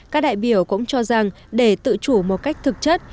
các đại biểu cũng cho rằng để tự chủ một cách thực chất